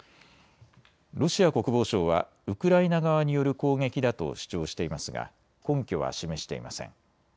ロシア国防省はウクライナ側による攻撃だと主張していますが根拠は示していません。